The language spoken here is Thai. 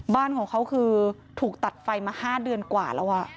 บ้านของเขาคือถูกตัดไฟมา๕เดือนกว่าแล้ว